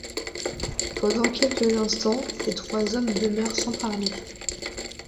Pendant quelques instants, ces trois hommes demeurèrent sans parler.